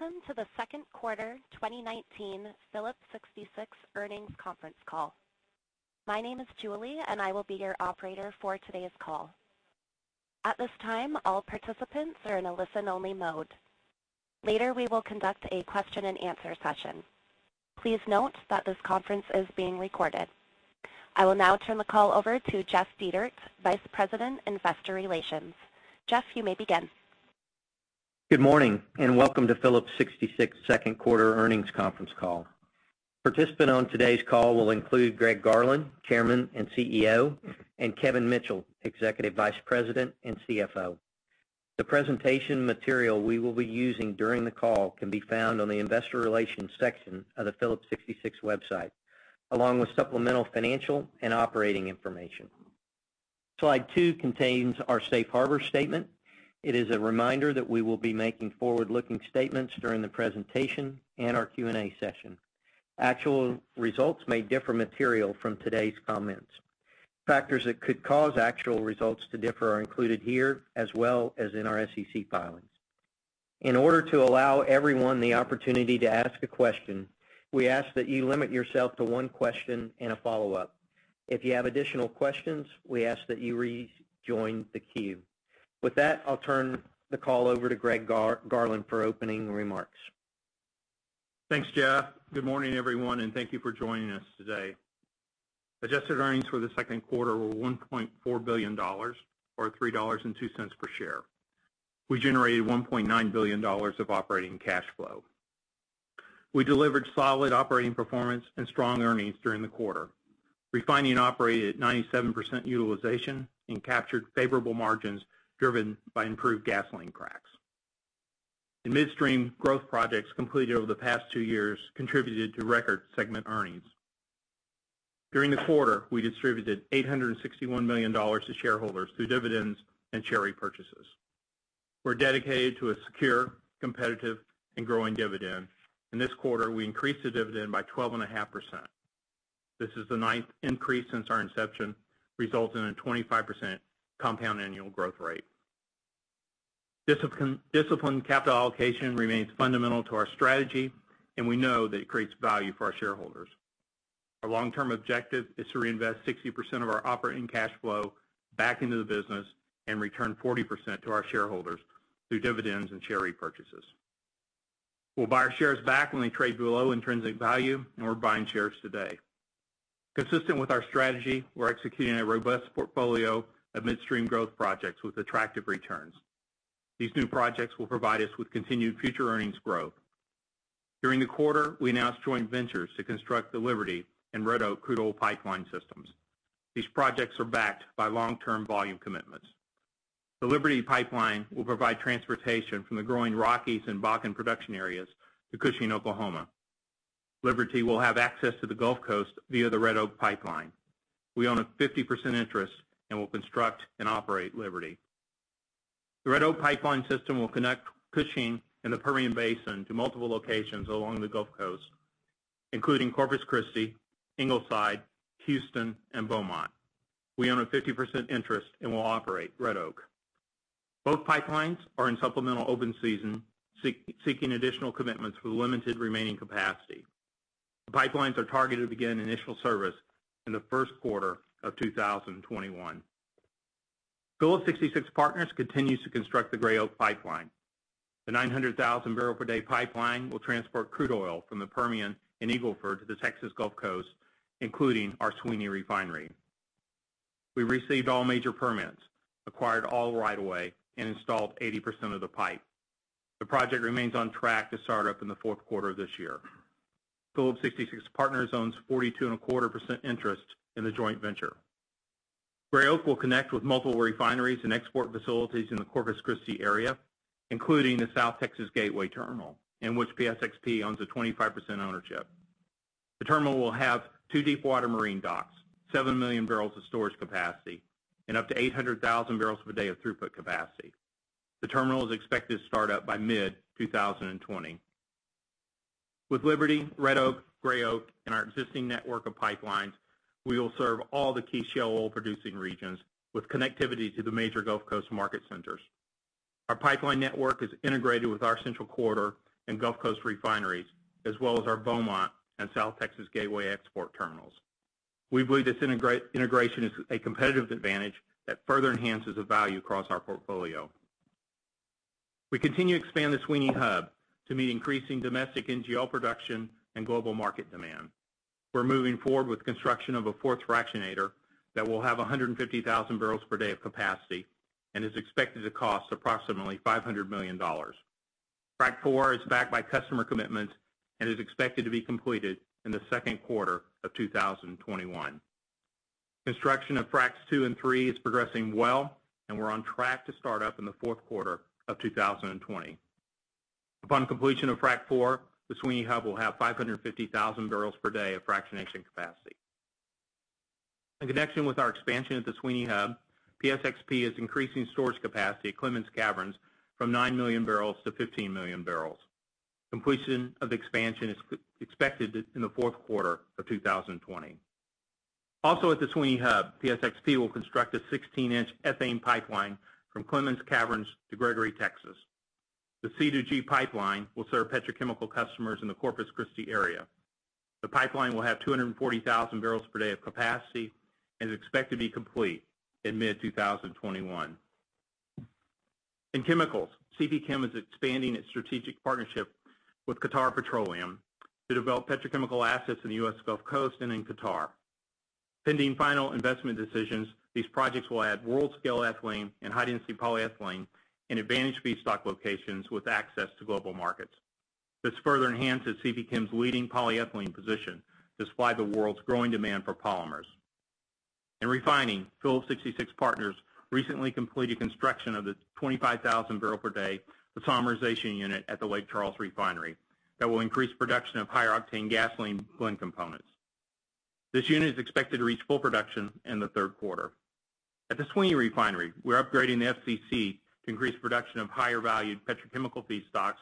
Welcome to the second quarter 2019 Phillips 66 earnings conference call. My name is Julie, and I will be your operator for today's call. At this time, all participants are in a listen-only mode. Later, we will conduct a question-and-answer session. Please note that this conference is being recorded. I will now turn the call over to Jeff Dietert, Vice President, Investor Relations. Jeff, you may begin. Good morning, and welcome to Phillips 66 second quarter earnings conference call. Participants on today's call will include Greg Garland, Chairman and CEO, and Kevin Mitchell, Executive Vice President and CFO. The presentation material we will be using during the call can be found on the investor relations section of the Phillips 66 website, along with supplemental financial and operating information. Slide two contains our safe harbor statement. It is a reminder that we will be making forward-looking statements during the presentation and our Q&A session. Actual results may differ materially from today's comments. Factors that could cause actual results to differ are included here as well as in our SEC filings. In order to allow everyone the opportunity to ask a question, we ask that you limit yourself to one question and a follow-up. If you have additional questions, we ask that you rejoin the queue. With that, I'll turn the call over to Greg Garland for opening remarks. Thanks, Jeff. Good morning, everyone, and thank you for joining us today. Adjusted earnings for the second quarter were $1.4 billion or $3.02 per share. We generated $1.9 billion of operating cash flow. We delivered solid operating performance and strong earnings during the quarter. Refining operated at 97% utilization and captured favorable margins driven by improved gasoline cracks. In midstream, growth projects completed over the past two years contributed to record segment earnings. During the quarter, we distributed $861 million to shareholders through dividends and share repurchases. We're dedicated to a secure, competitive and growing dividend, and this quarter we increased the dividend by 12.5%. This is the ninth increase since our inception, resulting in a 25% compound annual growth rate. Disciplined capital allocation remains fundamental to our strategy, and we know that it creates value for our shareholders. Our long-term objective is to reinvest 60% of our operating cash flow back into the business and return 40% to our shareholders through dividends and share repurchases. We'll buy our shares back when they trade below intrinsic value, and we're buying shares today. Consistent with our strategy, we're executing a robust portfolio of midstream growth projects with attractive returns. These new projects will provide us with continued future earnings growth. During the quarter, we announced joint ventures to construct the Liberty and Red Oak crude oil pipeline systems. These projects are backed by long-term volume commitments. The Liberty pipeline will provide transportation from the growing Rockies and Bakken production areas to Cushing, Oklahoma. Liberty will have access to the Gulf Coast via the Red Oak pipeline. We own a 50% interest and will construct and operate Liberty. The Red Oak Pipeline system will connect Cushing and the Permian Basin to multiple locations along the Gulf Coast, including Corpus Christi, Ingleside, Houston and Beaumont. We own a 50% interest and will operate Red Oak. Both pipelines are in supplemental open season, seeking additional commitments for the limited remaining capacity. The pipelines are targeted to begin initial service in the first quarter of 2021. Phillips 66 Partners continues to construct the Gray Oak Pipeline. The 900,000 bbl-per-day pipeline will transport crude oil from the Permian and Eagle Ford to the Texas Gulf Coast, including our Sweeney refinery. We received all major permits, acquired all right of way, and installed 80% of the pipe. The project remains on track to start up in the fourth quarter of this year. Phillips 66 Partners owns 42.25% interest in the joint venture. Gray Oak will connect with multiple refineries and export facilities in the Corpus Christi area, including the South Texas Gateway Terminal, in which PSXP owns a 25% ownership. The terminal will have two deepwater marine docks, 7 million barrels of storage capacity, and up to 800,000 bbl per day of throughput capacity. The terminal is expected to start up by mid-2020. With Liberty, Red Oak, Gray Oak, and our existing network of pipelines, we will serve all the key shale oil-producing regions with connectivity to the major Gulf Coast market centers. Our pipeline network is integrated with our central quarter and Gulf Coast refineries, as well as our Beaumont and South Texas Gateway export terminals. We believe this integration is a competitive advantage that further enhances the value across our portfolio. We continue to expand the Sweeney Hub to meet increasing domestic NGL production and global market demand. We're moving forward with construction of a fourth fractionator that will have 150,000 bbl per day of capacity and is expected to cost approximately $500 million. Frac 4 is backed by customer commitment and is expected to be completed in the second quarter of 2021. Construction of Fracs 2 and 3 is progressing well, and we're on track to start up in the fourth quarter of 2020. Upon completion of Frac 4, the Sweeney Hub will have 550,000 bbl per day of fractionation capacity. In connection with our expansion at the Sweeney Hub, PSXP is increasing storage capacity at Clemens Caverns from 9 million barrels-15 million barrels. Completion of the expansion is expected in the fourth quarter of 2020. Also at the Sweeney Hub, PSXP will construct a 16-inch ethane pipeline from Clemens Caverns to Gregory, Texas. The C2G pipeline will serve petrochemical customers in the Corpus Christi area. The pipeline will have 240,000 bbl per day of capacity and is expected to be complete in mid-2021. In chemicals, CPChem is expanding its strategic partnership with Qatar Petroleum to develop petrochemical assets in the U.S. Gulf Coast and in Qatar. Pending final investment decisions, these projects will add world-scale ethylene and high-density polyethylene in advantage feedstock locations with access to global markets. This further enhances CPChem's leading polyethylene position to supply the world's growing demand for polymers. In refining, Phillips 66 Partners recently completed construction of the 25,000 bbl per day isomerization unit at the Lake Charles refinery that will increase production of higher octane gasoline blend components. This unit is expected to reach full production in the third quarter. At the Sweeney refinery, we're upgrading the FCC to increase production of higher valued petrochemical feedstocks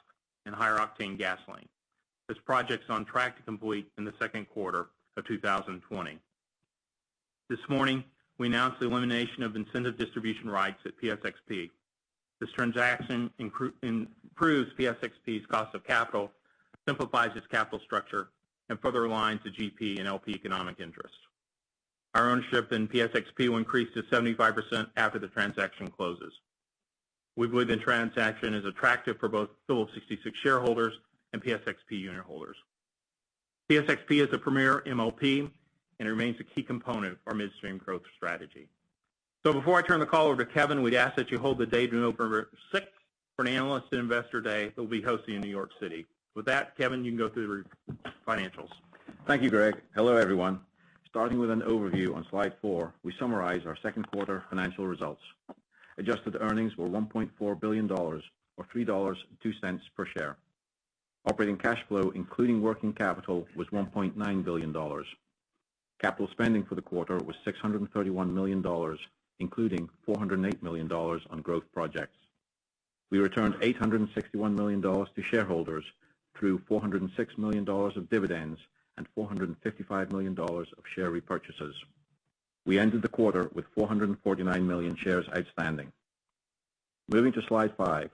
and higher octane gasoline. This project's on track to complete in the second quarter of 2020. This morning, we announced the elimination of incentive distribution rights at PSXP. This transaction improves PSXP's cost of capital, simplifies its capital structure, and further aligns the GP and LP economic interests. Our ownership in PSXP will increase to 75% after the transaction closes. We believe the transaction is attractive for both Phillips 66 shareholders and PSXP unit holders. PSXP is a premier MLP and remains a key component of our midstream growth strategy. Before I turn the call over to Kevin, we'd ask that you hold the date November 6th for an analyst and investor day that we'll be hosting in New York City. With that, Kevin, you can go through the financials. Thank you, Greg. Hello, everyone. Starting with an overview on slide four, we summarize our second quarter financial results. Adjusted earnings were $1.4 billion or $3.02 per share. Operating cash flow, including working capital, was $1.9 billion. Capital spending for the quarter was $631 million, including $408 million on growth projects. We returned $861 million to shareholders through $406 million of dividends and $455 million of share repurchases. We ended the quarter with 449 million shares outstanding. Moving to slide five.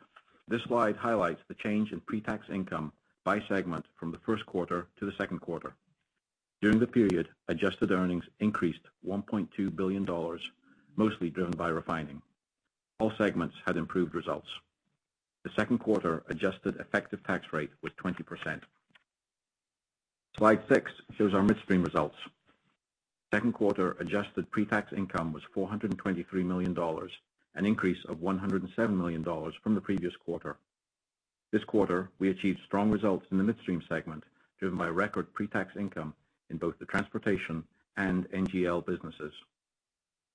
This slide highlights the change in pre-tax income by segment from the first quarter to the second quarter. During the period, adjusted earnings increased $1.2 billion, mostly driven by refining. All segments had improved results. The second quarter adjusted effective tax rate was 20%. Slide six shows our midstream results. Second quarter adjusted pre-tax income was $423 million, an increase of $107 million from the previous quarter. This quarter, we achieved strong results in the midstream segment, driven by record pre-tax income in both the transportation and NGL businesses.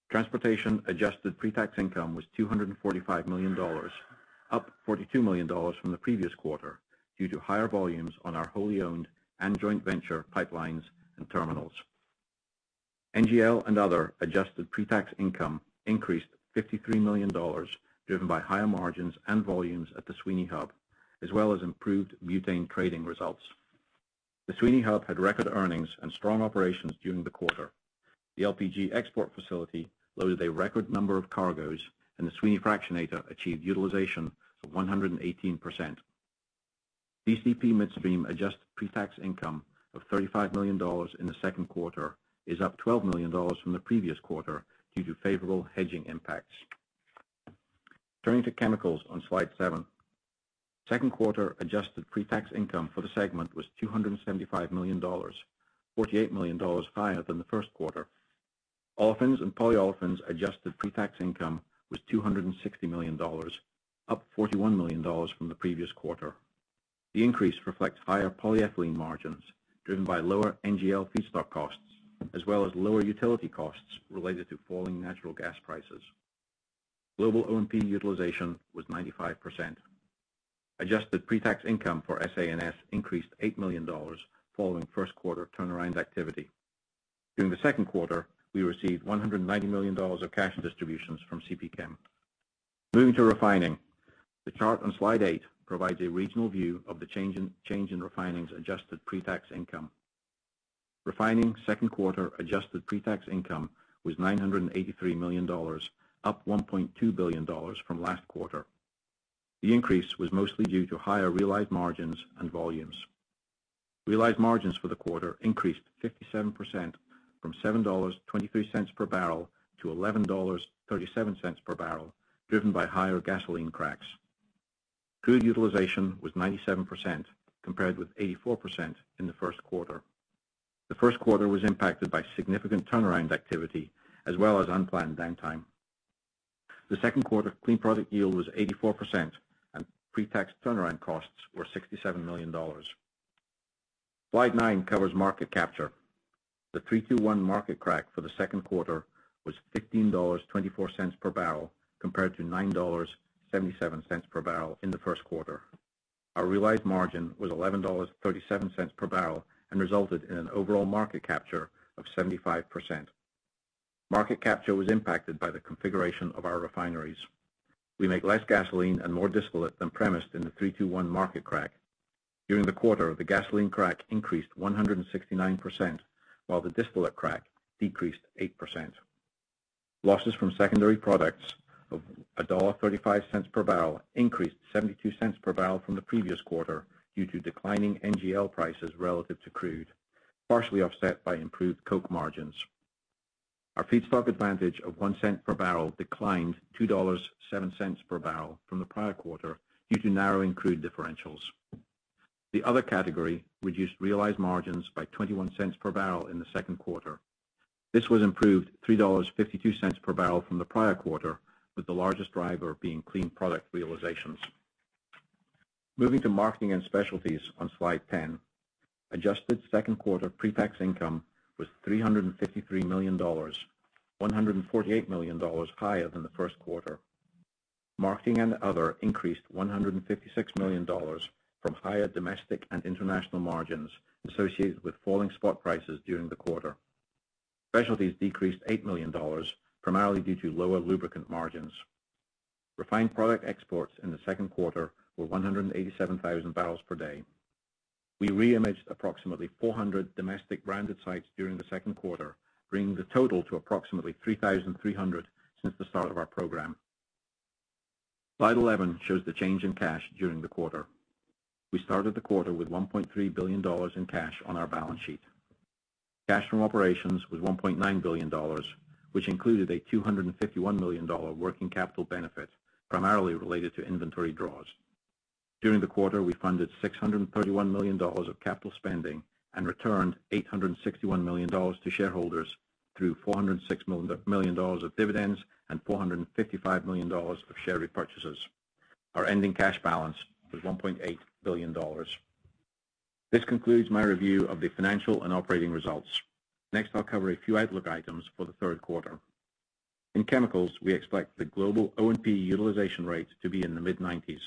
Transportation adjusted pre-tax income was $245 million, up $42 million from the previous quarter due to higher volumes on our wholly-owned and joint venture pipelines and terminals. NGL and other adjusted pre-tax income increased $53 million, driven by higher margins and volumes at the Sweeney Hub, as well as improved butane trading results. The Sweeney Hub had record earnings and strong operations during the quarter. The LPG export facility loaded a record number of cargoes, and the Sweeney Fractionator achieved utilization of 118%. DCP Midstream adjusted pre-tax income of $35 million in the second quarter is up $12 million from the previous quarter due to favorable hedging impacts. Turning to chemicals on slide seven. Second quarter adjusted pre-tax income for the segment was $275 million, $48 million higher than the first quarter. Olefins and Polyolefins adjusted pre-tax income was $260 million, up $41 million from the previous quarter. The increase reflects higher polyethylene margins driven by lower NGL feedstock costs, as well as lower utility costs related to falling natural gas prices. Global O&P utilization was 95%. Adjusted pre-tax income for SA&S increased $8 million following first quarter turnaround activity. During the second quarter, we received $190 million of cash distributions from CPChem. Moving to refining. The chart on slide eight provides a regional view of the change in refining's adjusted pre-tax income. Refining second quarter adjusted pre-tax income was $983 million, up $1.2 billion from last quarter. The increase was mostly due to higher realized margins and volumes. Realized margins for the quarter increased 57%, from $7.23 per barrel to $11.37 per barrel, driven by higher gasoline cracks. Crew utilization was 97%, compared with 84% in the first quarter. The first quarter was impacted by significant turnaround activity as well as unplanned downtime. The second quarter clean product yield was 84%, and pre-tax turnaround costs were $67 million. Slide nine covers market capture. The 3-2-1 market crack for the second quarter was $15.24 per barrel, compared to $9.77 per barrel in the first quarter. Our realized margin was $11.37 per barrel and resulted in an overall market capture of 75%. Market capture was impacted by the configuration of our refineries. We make less gasoline and more distillate than premised in the 3-2-1 market crack. During the quarter, the gasoline crack increased 169%, while the distillate crack decreased 8%. Losses from secondary products of $1.35 per barrel increased $0.72 per barrel from the previous quarter due to declining NGL prices relative to crude, partially offset by improved coke margins. Our feedstock advantage of $0.01 per barrel declined $2.07 per barrel from the prior quarter due to narrowing crude differentials. The other category reduced realized margins by $0.21 per barrel in the second quarter. This was improved $3.52 per barrel from the prior quarter, with the largest driver being clean product realizations. Moving to marketing and specialties on slide 10. Adjusted second quarter pre-tax income was $353 million, $148 million higher than the first quarter. Marketing and other increased $156 million from higher domestic and international margins associated with falling spot prices during the quarter. Specialties decreased $8 million, primarily due to lower lubricant margins. Refined product exports in the second quarter were 187,000 bbl per day. We reimaged approximately 400 domestic branded sites during the second quarter, bringing the total to approximately 3,300 since the start of our program. Slide 11 shows the change in cash during the quarter. We started the quarter with $1.3 billion in cash on our balance sheet. Cash from operations was $1.9 billion, which included a $251 million working capital benefit primarily related to inventory draws. During the quarter, we funded $631 million of capital spending and returned $861 million to shareholders through $406 million of dividends and $455 million of share repurchases. Our ending cash balance was $1.8 billion. This concludes my review of the financial and operating results. I'll cover a few outlook items for the third quarter. In chemicals, we expect the global O&P utilization rate to be in the mid-90s.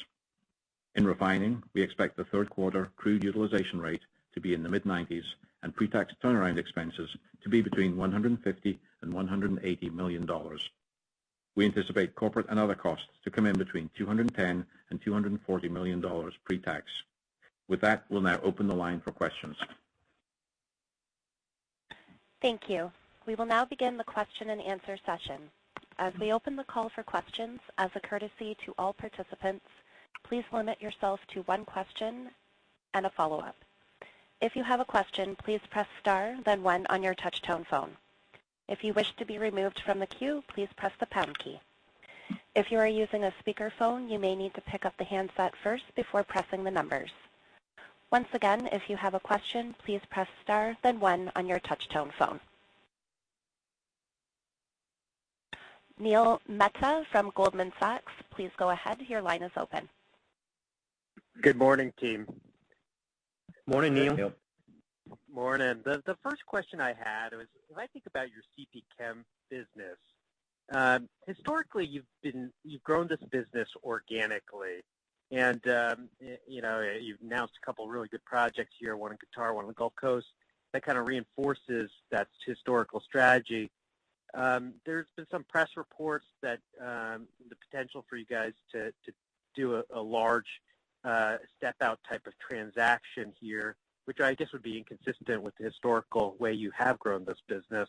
In refining, we expect the third quarter crude utilization rate to be in the mid-90s and pre-tax turnaround expenses to be between $150 and $180 million. We anticipate corporate and other costs to come in between $210 and $240 million pre-tax. With that, we'll now open the line for questions. Thank you. We will now begin the question-and-answer session. As we open the call for questions, as a courtesy to all participants, please limit yourself to one question and a follow-up. If you have a question, please press star then one on your touch-tone phone. If you wish to be removed from the queue, please press the pound key. If you are using a speakerphone, you may need to pick up the handset first before pressing the numbers. Once again, if you have a question, please press star then one on your touch-tone phone. Neil Mehta from Goldman Sachs, please go ahead. Your line is open. Good morning, team. Morning, Neil. Morning. Morning. The first question I had was, when I think about your CPChem business, historically you've grown this business organically, and you've announced a couple really good projects here, one in Qatar, one on the Gulf Coast. That kind of reinforces that historical strategy. There's been some press reports that the potential for you guys to do a large step out type of transaction here, which I guess would be inconsistent with the historical way you have grown this business.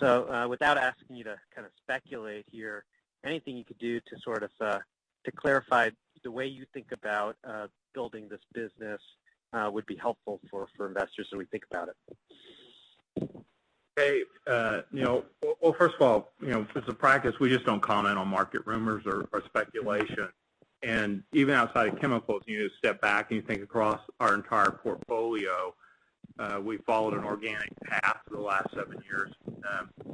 Without asking you to speculate here, anything you could do to clarify the way you think about building this business would be helpful for investors as we think about it. Dave. Well, first of all, as a practice, we just don't comment on market rumors or speculation. Even outside of chemicals, you step back and you think across our entire portfolio, we've followed an organic path for the last seven years.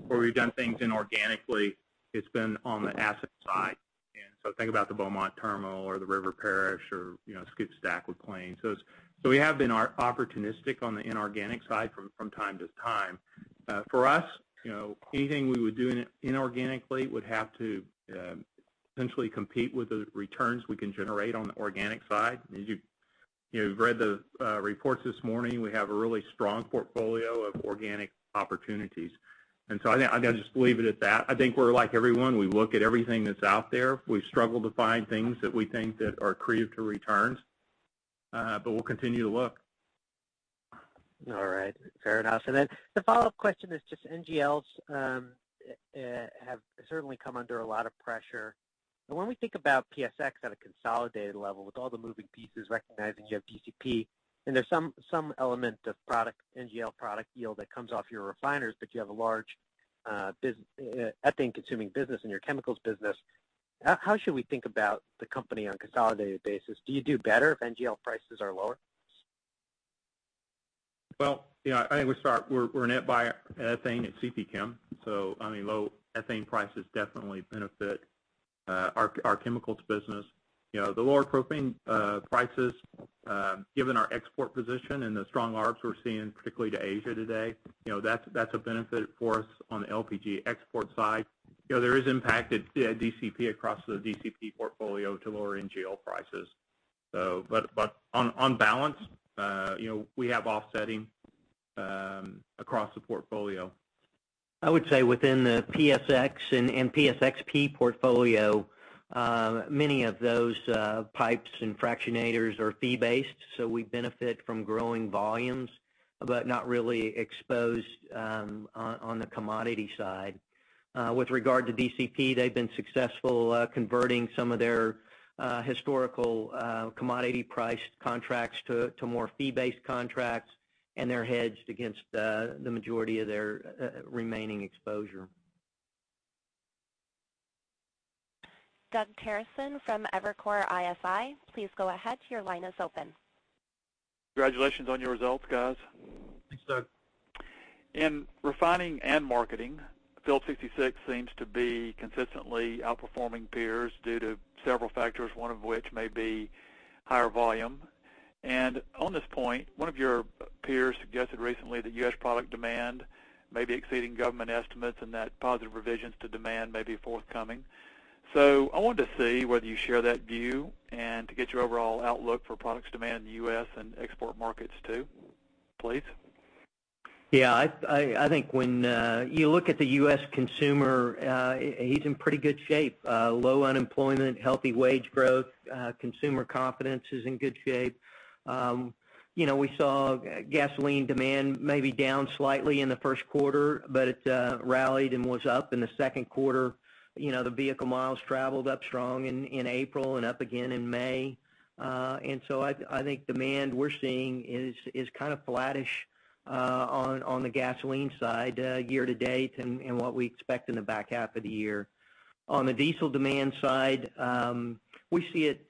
Where we've done things inorganically, it's been on the asset side. Think about the Beaumont terminal or the River Parish or SCOOP/STACK with Plains. We have been opportunistic on the inorganic side from time to time. For us, anything we would do inorganically would have to essentially compete with the returns we can generate on the organic side. You've read the reports this morning. We have a really strong portfolio of organic opportunities, and so I'd just leave it at that. I think we're like everyone. We look at everything that's out there. We struggle to find things that we think that are accretive to returns. We'll continue to look. All right. Fair enough. The follow-up question is just NGLs have certainly come under a lot of pressure. When we think about PSX at a consolidated level with all the moving pieces recognizing you have DCP, and there's some element of NGL product yield that comes off your refiners, but you have a large ethane-consuming business in your chemicals business. How should we think about the company on a consolidated basis? Do you do better if NGL prices are lower? Well, I think we're a net buyer of ethane at CPChem. On the low ethane prices definitely benefit our chemicals business. The lower propane prices given our export position and the strong arbs we're seeing particularly to Asia today, that's a benefit for us on the LPG export side. There is impact at DCP across the DCP portfolio to lower NGL prices. On balance, we have offsetting across the portfolio. I would say within the PSX and PSXP portfolio, many of those pipes and fractionators are fee-based, so we benefit from growing volumes, but not really exposed on the commodity side. With regard to DCP, they've been successful converting some of their historical commodity priced contracts to more fee-based contracts, and they're hedged against the majority of their remaining exposure. Doug Terreson from Evercore ISI, please go ahead. Your line is open. Congratulations on your results, guys. Thanks, Doug. In refining and marketing, Phillips 66 seems to be consistently outperforming peers due to several factors, one of which may be higher volume. On this point, one of your peers suggested recently that U.S. product demand may be exceeding government estimates, and that positive revisions to demand may be forthcoming. I wanted to see whether you share that view and to get your overall outlook for products demand in the U.S. and export markets too, please. Yeah. I think when you look at the U.S. consumer, he's in pretty good shape. Low unemployment, healthy wage growth, consumer confidence is in good shape. We saw gasoline demand maybe down slightly in the first quarter, it rallied and was up in the second quarter. The vehicle miles traveled up strong in April and up again in May. I think demand we're seeing is kind of flattish on the gasoline side year to date, and what we expect in the back half of the year. On the diesel demand side, we see it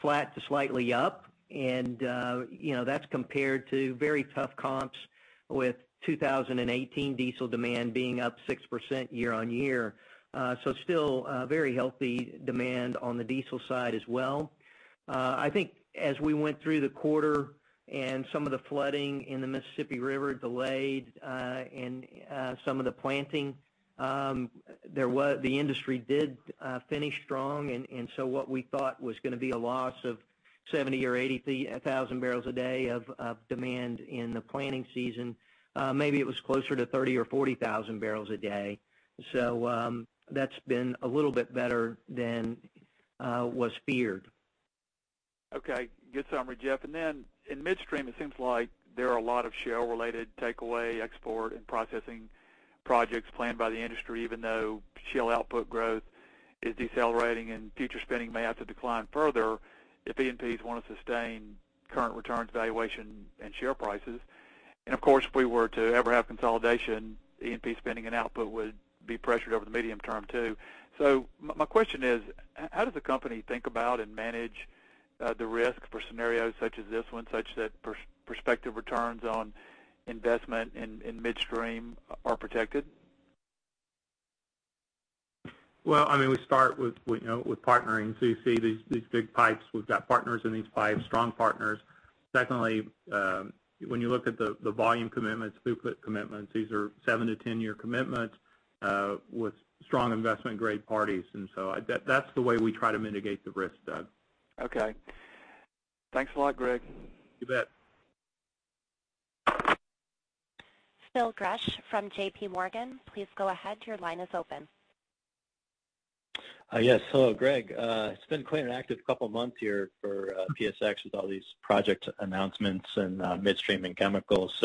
flat to slightly up, and that's compared to very tough comps with 2018 diesel demand being up 6% year-on-year. Still very healthy demand on the diesel side as well. I think as we went through the quarter and some of the flooding in the Mississippi River delayed some of the planting. The industry did finish strong. What we thought was going to be a loss of 70,000 bbl or 80,000 bbl a day of demand in the planting season, maybe it was closer to 30,000 bbl or 40,000 bbl a day. That's been a little bit better than was feared. Okay. Good summary, Jeff. In midstream, it seems like there are a lot of shale-related takeaway, export, and processing projects planned by the industry, even though shale output growth is decelerating and future spending may have to decline further if E&Ps want to sustain current returns valuation and share prices. Of course, if we were to ever have consolidation, E&P spending and output would be pressured over the medium term too. My question is: How does the company think about and manage the risks for scenarios such as this one, such that prospective returns on investment in midstream are protected? Well, we start with partnering. You see these big pipes. We've got partners in these pipes, strong partners. Secondly, when you look at the volume commitments, throughput commitments, these are seven- to 10-year commitments, with strong investment-grade parties. That's the way we try to mitigate the risk, Doug. Okay. Thanks a lot, Greg. You bet. Phil Gresh from JPMorgan, please go ahead. Your line is open. Yes. Hello, Greg. It's been quite an active couple of months here for PSX with all these project announcements and midstream and chemicals.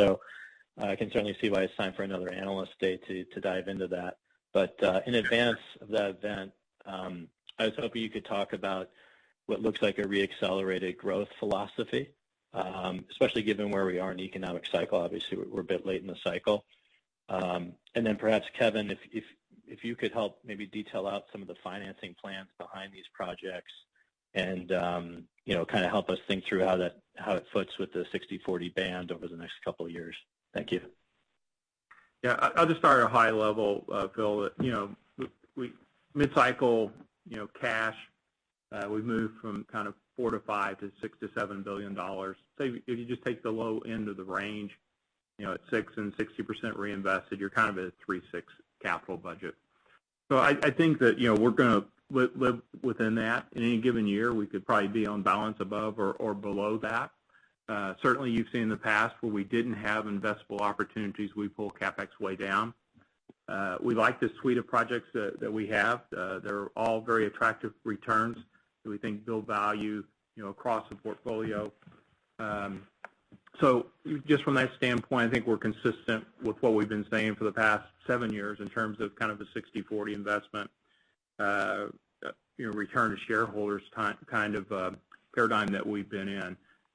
I can certainly see why it's time for another Analyst Day to dive into that. In advance of that event, I was hoping you could talk about what looks like a re-accelerated growth philosophy, especially given where we are in the economic cycle. Obviously, we're a bit late in the cycle. Perhaps, Kevin, if you could help maybe detail out some of the financing plans behind these projects and kind of help us think through how that foots with the 60/40 band over the next couple of years. Thank you. I'll just start at a high level, Phil. Mid-cycle cash, we've moved from four to five to six to $7 billion. If you just take the low end of the range at six and 60% reinvested, you're at a $3.6 capital budget. I think that we're going to live within that. In any given year, we could probably be on balance above or below that. Certainly you've seen in the past where we didn't have investable opportunities, we pulled CapEx way down. We like the suite of projects that we have. They're all very attractive returns that we think build value across the portfolio. Just from that standpoint, I think we're consistent with what we've been saying for the past seven years in terms of kind of the 60/40 investment return to shareholders kind of paradigm that we've been in,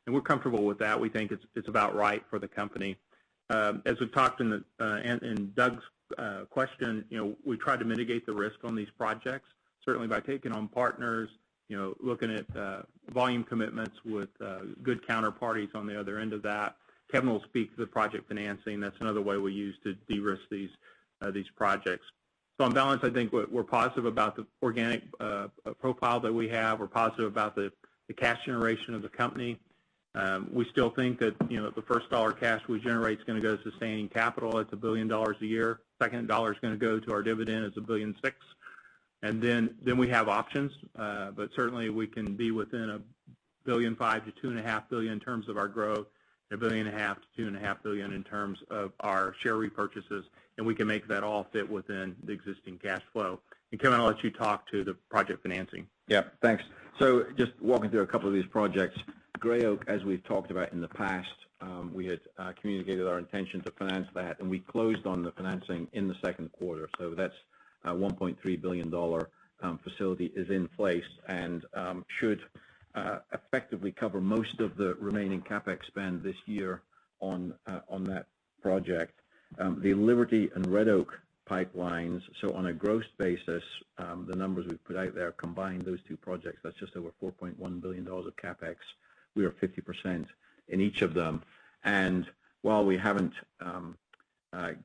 and we're comfortable with that. We think it's about right for the company. As we've talked in Doug's question, we try to mitigate the risk on these projects, certainly by taking on partners, looking at volume commitments with good counterparties on the other end of that. Kevin will speak to the project financing. That's another way we use to de-risk these projects. On balance, I think we're positive about the organic profile that we have. We're positive about the cash generation of the company. We still think that the first dollar cash we generate is going to go to sustaining capital at $1 billion a year. Second dollar is going to go to our dividend at $1.6 billion. Then we have options. Certainly we can be within $1.5 billion-$2.5 billion in terms of our growth, and $1.5 billion-$2.5 billion in terms of our share repurchases, and we can make that all fit within the existing cash flow. Kevin, I'll let you talk to the project financing. Yeah, thanks. Just walking through a couple of these projects. Gray Oak, as we've talked about in the past, we had communicated our intention to finance that, and we closed on the financing in the second quarter. That $1.3 billion facility is in place and should effectively cover most of the remaining CapEx spend this year on that project. The Liberty and Red Oak pipelines, on a gross basis, the numbers we've put out there combine those two projects. That's just over $4.1 billion of CapEx. We are 50% in each of them. While we haven't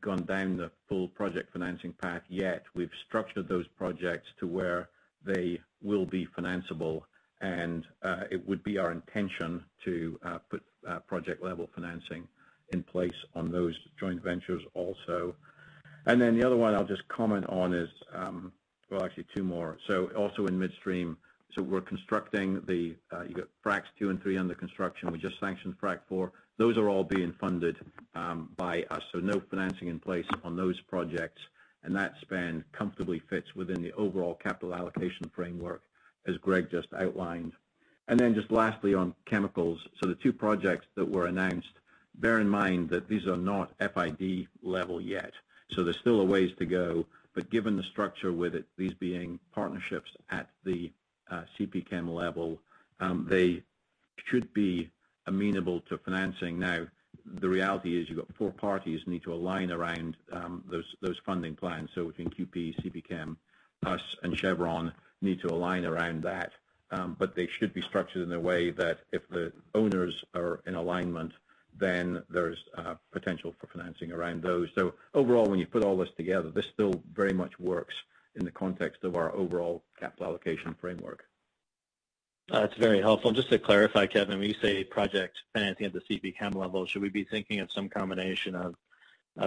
gone down the full project financing path yet, we've structured those projects to where they will be financeable. It would be our intention to put project-level financing in place on those joint ventures also. The other one I'll just comment on is Well, actually two more. Also in midstream, we're constructing the, you got Fracs 2 and 3 under construction. We just sanctioned Frac 4. Those are all being funded by us, no financing in place on those projects. That spend comfortably fits within the overall capital allocation framework as Greg just outlined. Just lastly on chemicals, the two projects that were announced, bear in mind that these are not FID level yet, there's still a ways to go. Given the structure with these being partnerships at the CPChem level, they should be amenable to financing. Now, the reality is you've got four parties need to align around those funding plans. Between QP, CPChem, us, and Chevron need to align around that. They should be structured in a way that if the owners are in alignment, there's potential for financing around those. Overall, when you put all this together, this still very much works in the context of our overall capital allocation framework. That's very helpful. Just to clarify, Kevin, when you say project financing at the CPChem level, should we be thinking of some combination of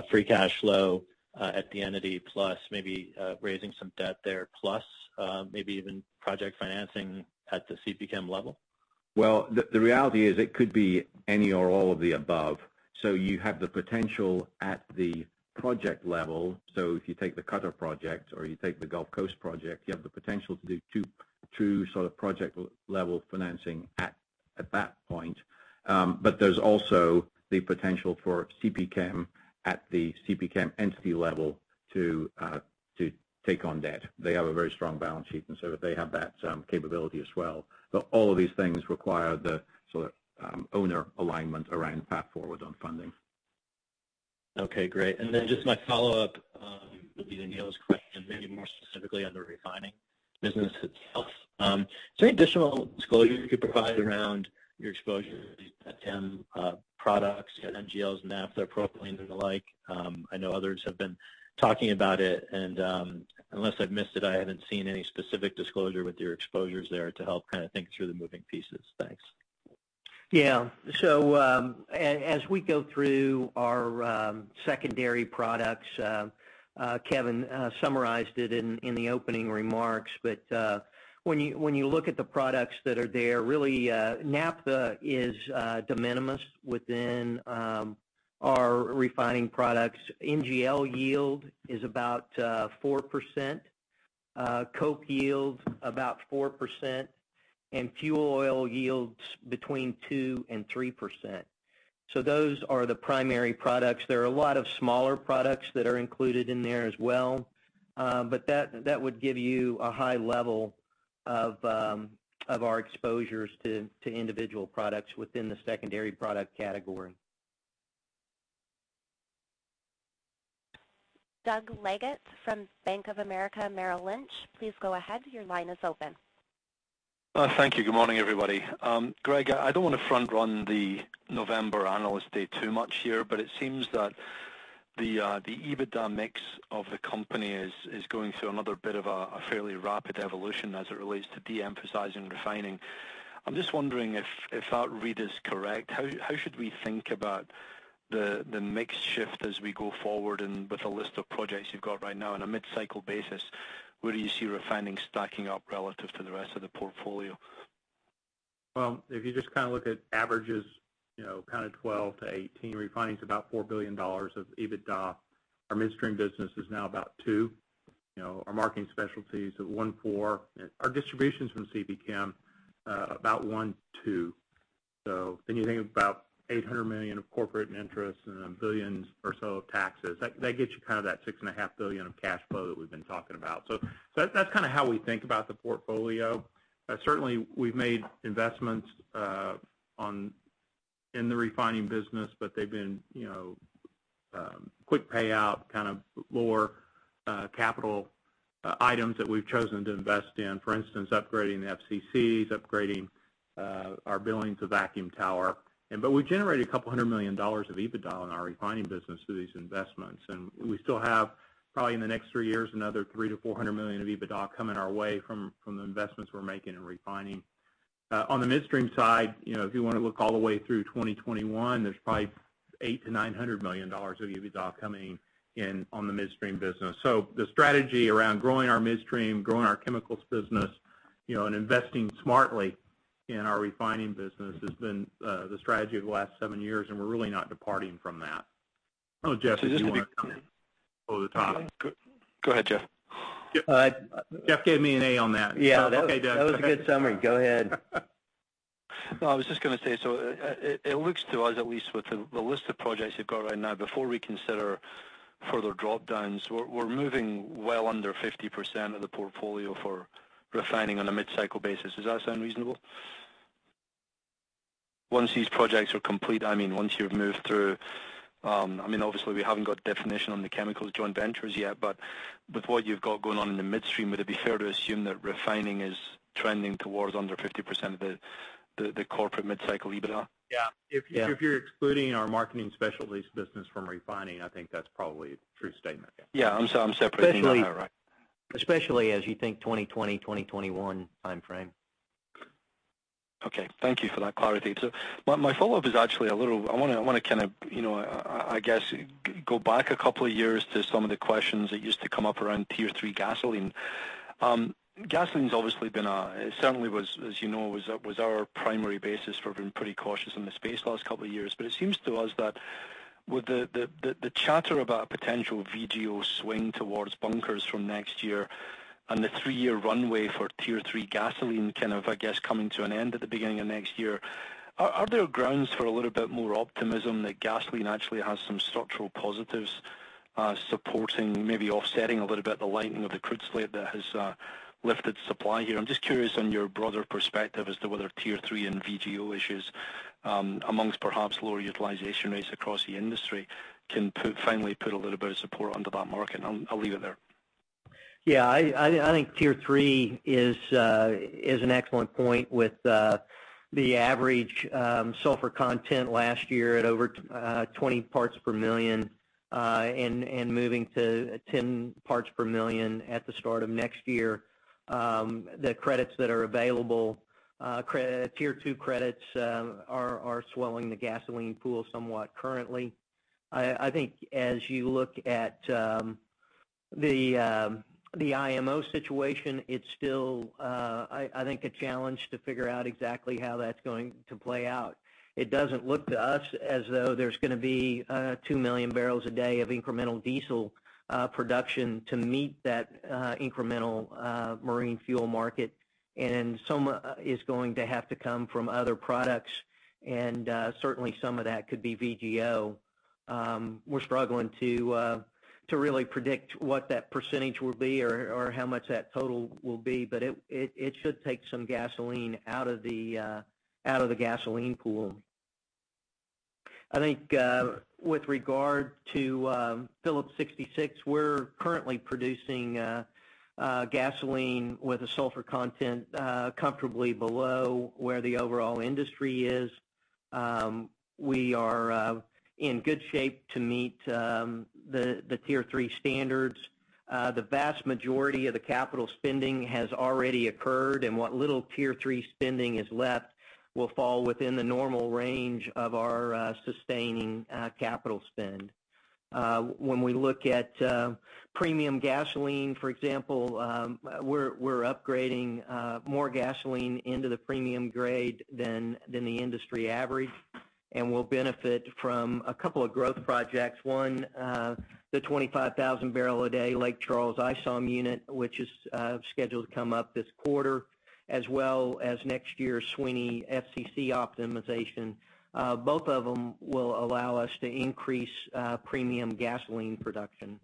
free cash flow at the entity plus maybe raising some debt there, plus maybe even project financing at the CPChem level? Well, the reality is it could be any or all of the above. You have the potential at the project level. If you take the Qatar project or you take the Gulf Coast project, you have the potential to do two project-level financing at that point. There's also the potential for CPChem at the CPChem entity level to take on debt. They have a very strong balance sheet and so they have that capability as well. All of these things require the owner alignment around path forward on funding. Okay, great. Just my follow-up will be to Neil's question, maybe more specifically on the refining business itself. Is there any additional disclosure you could provide around your exposure to these petchem products, NGLs, naphtha, propylene, and the like? I know others have been talking about it, and unless I've missed it, I haven't seen any specific disclosure with your exposures there to help think through the moving pieces. Thanks. As we go through our secondary products, Kevin summarized it in the opening remarks. When you look at the products that are there, really, naphtha is de minimis within our refining products. NGL yield is about 4%, coke yield about 4%, and fuel oil yields between 2% and 3%. Those are the primary products. There are a lot of smaller products that are included in there as well. That would give you a high level of our exposures to individual products within the secondary product category. Doug Leggate from Bank of America Merrill Lynch, please go ahead. Your line is open. Thank you. Good morning, everybody. Greg, I don't want to front-run the November Analyst Day too much here, but it seems that the EBITDA mix of the company is going through another bit of a fairly rapid evolution as it relates to de-emphasizing refining. I'm just wondering if that read is correct. How should we think about the mix shift as we go forward? With the list of projects you've got right now on a mid-cycle basis, where do you see refining stacking up relative to the rest of the portfolio? Well, if you just look at averages, kind of 12-18, refining's about $4 billion of EBITDA. Our midstream business is now about $2 billion. Our marketing specialties at $1.4 billion. Our distributions from CPChem, about $1.2 billion. Then you think of about $800 million of corporate interest and $1 billion or so of taxes. That gets you kind of that $6.5 billion of cash flow that we've been talking about. That's how we think about the portfolio. Certainly, we've made investments in the refining business, but they've been quick payout, kind of lower capital items that we've chosen to invest in. For instance, upgrading the FCCs, upgrading our Billings vacuum tower. We generate $200 million of EBITDA in our refining business through these investments, and we still have, probably in the next three years, another $300 million-$400 million of EBITDA coming our way from the investments we're making in refining. On the midstream side, if you want to look all the way through 2021, there's probably $800 million-$900 million of EBITDA coming in on the midstream business. The strategy around growing our midstream, growing our chemicals business, and investing smartly in our refining business has been the strategy of the last seven years, and we're really not departing from that. I don't know, Jeff, if you want to comment over the top. Go ahead, Jeff. Jeff gave me an A on that. Okay, Jeff. Yeah. That was a good summary. Go ahead. No, I was just going to say, it looks to us at least with the list of projects you've got right now, before we consider further drop-downs, we're moving well under 50% of the portfolio for refining on a mid-cycle basis. Does that sound reasonable? Once these projects are complete, once you've moved through Obviously we haven't got definition on the chemicals joint ventures yet, but with what you've got going on in the midstream, would it be fair to assume that refining is trending towards under 50% of the corporate mid-cycle EBITDA? Yeah. Yeah. If you're excluding our marketing specialties business from refining, I think that's probably a true statement, yeah. Yeah. I'm separating that out right. Especially as you think 2020, 2021 timeframe. Okay. Thank you for that clarity. My follow-up is actually, I want to kind of, I guess go back a couple of years to some of the questions that used to come up around Tier 3 gasoline. Gasoline certainly was, as you know, was our primary basis for being pretty cautious in the space the last couple of years. It seems to us that with the chatter about a potential VGO swing towards bunkers from next year and the three-year runway for Tier 3 gasoline kind of, I guess, coming to an end at the beginning of next year, are there grounds for a little bit more optimism that gasoline actually has some structural positives supporting, maybe offsetting a little bit the lightening of the crude slate that has lifted supply here? I'm just curious on your broader perspective as to whether Tier 3 and VGO issues amongst perhaps lower utilization rates across the industry can finally put a little bit of support under that market. I'll leave it there. Yeah. I think Tier 3 is an excellent point with the average sulfur content last year at over 20 parts per million, moving to 10 parts per million at the start of next year. The credits that are available, Tier 2 credits, are swelling the gasoline pool somewhat currently. I think as you look at the IMO situation, it's still, I think, a challenge to figure out exactly how that's going to play out. It doesn't look to us as though there's going to be 2 million barrels a day of incremental diesel production to meet that incremental marine fuel market. Some is going to have to come from other products, and certainly some of that could be VGO. We're struggling to really predict what that percentage will be or how much that total will be, but it should take some gasoline out of the gasoline pool. I think with regard to Phillips 66, we're currently producing gasoline with a sulfur content comfortably below where the overall industry is. We are in good shape to meet the Tier 3 standards. The vast majority of the capital spending has already occurred, and what little Tier 3 spending is left will fall within the normal range of our sustaining capital spend. When we look at premium gasoline, for example, we're upgrading more gasoline into the premium grade than the industry average and will benefit from a couple of growth projects. One, the 25,000 bbl-a-day Lake Charles ISOM unit, which is scheduled to come up this quarter, as well as next year's Sweeney FCC optimization. Both of them will allow us to increase premium gasoline production.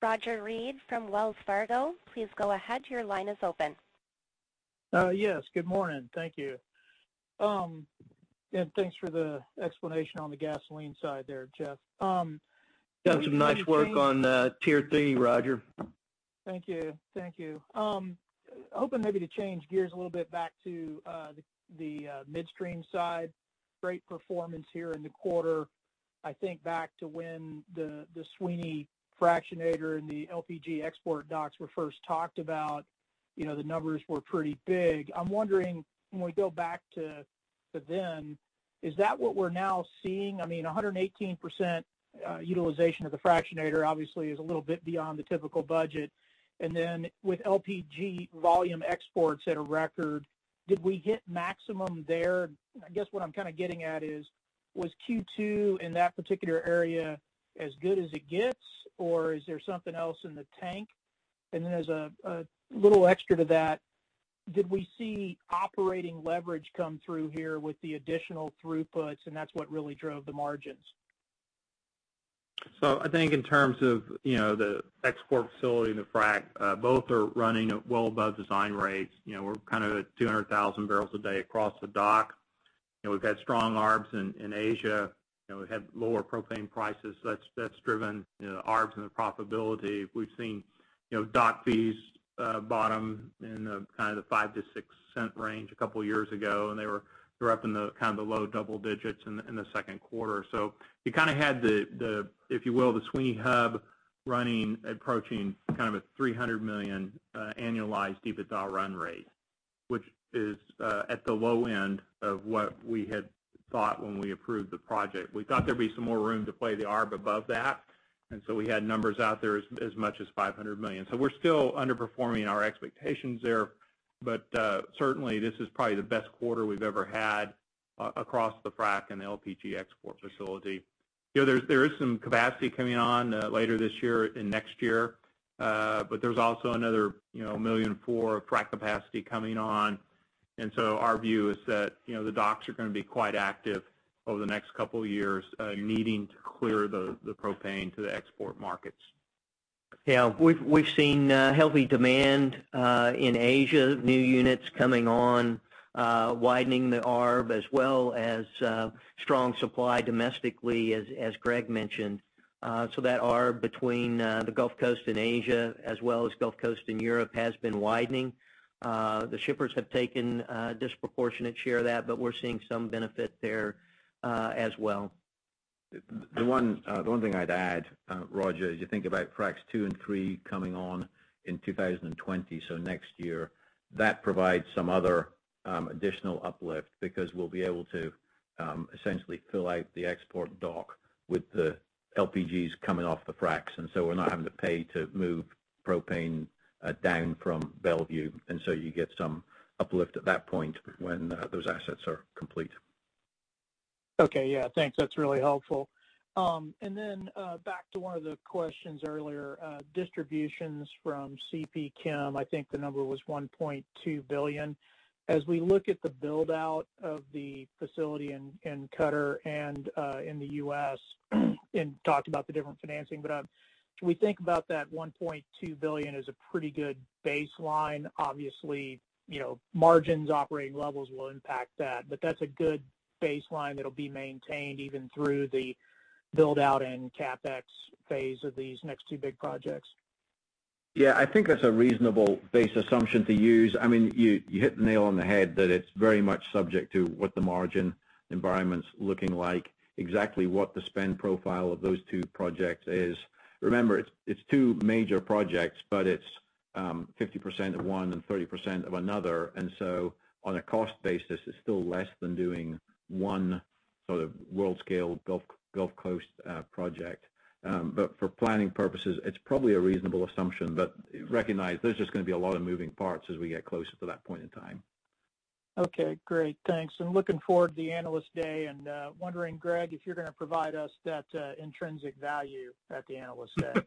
Roger Read from Wells Fargo, please go ahead. Your line is open. Yes. Good morning. Thank you. Thanks for the explanation on the gasoline side there, Jeff. Done some nice work on Tier 3, Roger. Thank you. Thank you. Hoping maybe to change gears a little bit back to the Midstream side. Great performance here in the quarter. I think back to when the Sweeney fractionator and the LPG export docks were first talked about, the numbers were pretty big. I'm wondering when we go back to then, is that what we're now seeing? I mean, 118% utilization of the fractionator obviously is a little bit beyond the typical budget. And then with LPG volume exports at a record, did we hit maximum there? I guess what I'm kind of getting at is, was Q2 in that particular area as good as it gets, or is there something else in the tank? And then as a little extra to that, did we see operating leverage come through here with the additional throughputs and that's what really drove the margins? I think in terms of the export facility and the frack, both are running at well above design rates. We're kind of at 200,000 bbl a day across the dock. We've had strong arbs in Asia. We've had lower propane prices. That's driven arbs and the profitability. We've seen dock fees bottom in the $0.05-$0.06 range a couple years ago, and they were up in the low double digits in the second quarter. You kind of had the, if you will, the Sweeny hub running, approaching kind of a $300 million annualized EBITDA run rate, which is at the low end of what we had thought when we approved the project. We thought there'd be some more room to play the arb above that, we had numbers out there as much as $500 million. We're still underperforming our expectations there. Certainly, this is probably the best quarter we've ever had across the frack and the LPG export facility. There is some capacity coming on later this year and next year. There's also another 1 million for frac capacity coming on. Our view is that the docks are going to be quite active over the next couple of years, needing to clear the propane to the export markets. Yeah. We've seen healthy demand in Asia, new units coming on, widening the arb as well as strong supply domestically as Greg mentioned. That arb between the Gulf Coast and Asia, as well as Gulf Coast and Europe, has been widening. The shippers have taken a disproportionate share of that, we're seeing some benefit there as well. The one thing I'd add, Roger, as you think about fracs two and three coming on in 2020, so next year. That provides some other additional uplift because we'll be able to essentially fill out the export dock with the LPGs coming off the fracs. We're not having to pay to move propane down from Belvieu. You get some uplift at that point when those assets are complete. Okay. Yeah. Thanks. Then back to one of the questions earlier. Distributions from CPChem, I think the number was $1.2 billion. As we look at the build-out of the facility in Qatar and in the U.S., and talked about the different financing. We think about that $1.2 billion as a pretty good baseline. Obviously, margins operating levels will impact that, but that's a good baseline that'll be maintained even through the build-out and CapEx phase of these next two big projects. Yeah, I think that's a reasonable base assumption to use. You hit the nail on the head that it's very much subject to what the margin environment's looking like, exactly what the spend profile of those two projects is. Remember, it's two major projects, but it's 50% of one and 30% of another. On a cost basis, it's still less than doing one world-scale Gulf Coast project. For planning purposes, it's probably a reasonable assumption. Recognize there's just going to be a lot of moving parts as we get closer to that point in time. Okay, great. Thanks. I'm looking forward to the Analyst Day and wondering, Greg, if you're going to provide us that intrinsic value at the Analyst Day.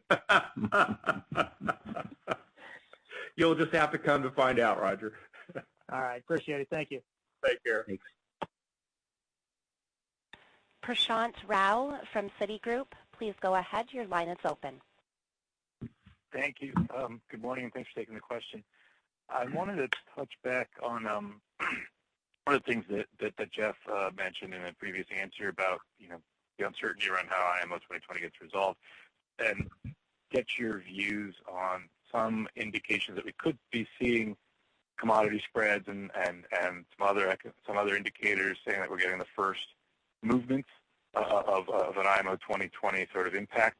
You'll just have to come to find out, Roger. All right. Appreciate it. Thank you. Take care. Thanks. Prashant Rao from Citigroup. Please go ahead. Your line is open. Thank you. Good morning. Thanks for taking the question. I wanted to touch back on one of the things that Jeff mentioned in a previous answer about the uncertainty around how IMO 2020 gets resolved, and get your views on some indications that we could be seeing commodity spreads and some other indicators saying that we're getting the first movements of an IMO 2020 impact,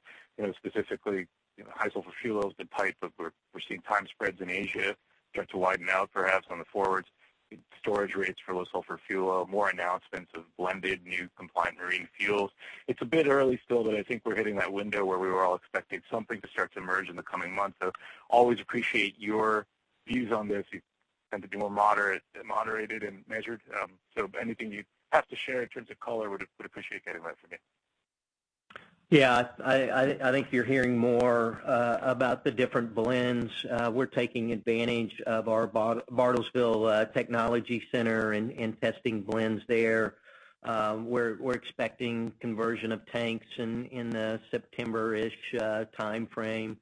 specifically high sulfur fuels. We're seeing time spreads in Asia start to widen out perhaps on the forwards, storage rates for low sulfur fuel, more announcements of blended new compliant marine fuels. It's a bit early still. I think we're hitting that window where we were all expecting something to start to emerge in the coming months. Always appreciate your views on this. You tend to be more moderated and measured. Anything you'd have to share in terms of color, would appreciate getting that from you. Yeah, I think you're hearing more about the different blends. We're taking advantage of our Bartlesville technology center and testing blends there. We're expecting conversion of tanks in the September-ish timeframe